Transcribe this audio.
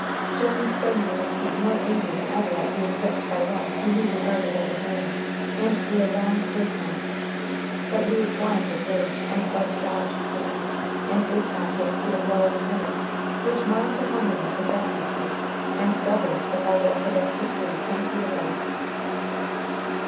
Jones sprang to his feet more angry than ever at being whipped by one whom he regarded as a boy, and drew a long dirk knife. But he was blind with rage, and Bud dodged the knife, and this time gave Pete a blow on the nose which marred the homeliness of that feature and doubled the fellow up against a tree ten feet away.